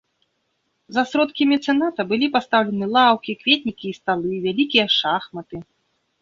За сродкі мецэната былі пастаўлены лаўкі, кветнікі і сталы, вялікія шахматы.